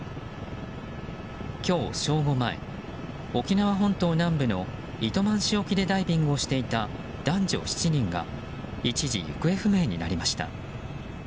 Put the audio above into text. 今日正午前、沖縄本島南部の糸満市沖でダイビングをしていた男女７人が一時行方不明になりました。